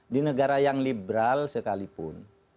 di negara yang liberal sekalipun